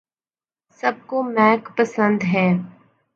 سب کو میک پسند ہیں